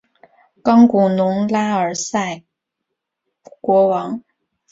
冈古农拉尔萨国王。